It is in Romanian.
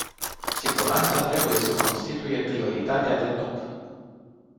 Siguranța trebuie să constituie prioritatea de top.